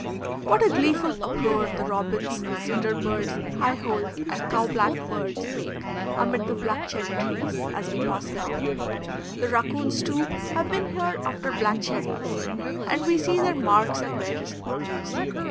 What a gleeful uproar the robins, cedar birds, high holes, and cow black birds make amid the black cherry trees as we pass along. The raccoons, too, have been here after black cherries, and we see their marks at various points.